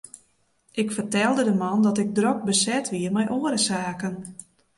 Ik fertelde de man dat ik drok beset wie mei oare saken.